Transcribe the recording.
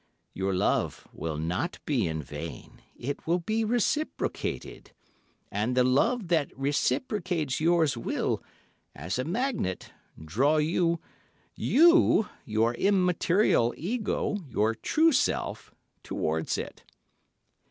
Your love will not be in vain, it will be reciprocated, and the love that reciprocates yours will, as a magnet, draw you—you—your immaterial ego—your true self—towards it.